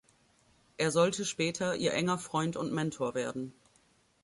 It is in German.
Er sollte später ihr enger Freund und Mentor werden.